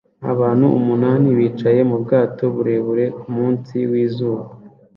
Abantu umunani bicaye mubwato burebure kumunsi wizuba